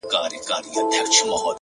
o سیاه پوسي ده. ژوند تفسیرېږي.